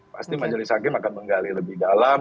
pasti majelis hakim akan menggali lebih dalam